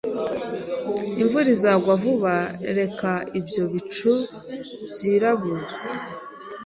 Imvura izagwa vuba. Reba ibyo bicu byirabura.